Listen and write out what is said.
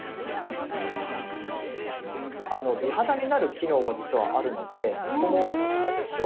美肌になる機能も実はあるのでそこもお知らせしようかなと思います。